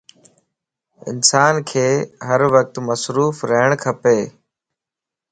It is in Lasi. انسانک ھر وقت مصروف رھڻ کپ